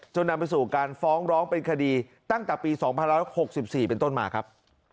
นำไปสู่การฟ้องร้องเป็นคดีตั้งแต่ปี๒๑๖๔เป็นต้นมาครับ